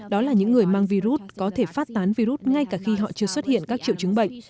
đó là những người mang virus có thể phát tán virus ngay cả khi họ chưa xuất hiện các triệu chứng bệnh